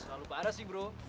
selalu parah sih bro